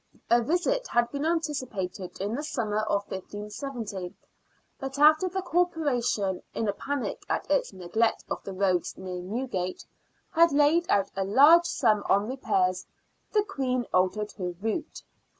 A visit had been anticipated in the summer of 1570, but after the Corporation, in a panic at its neglect of the roads near Newgate, had laid out a large sum on 60 SIXTEENTH CENTURY BRISTOL. repairs, the Queen altered her route.